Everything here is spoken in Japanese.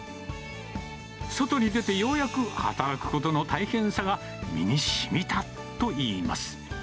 外に出て、ようやく働くことの大変さが身にしみたといいます。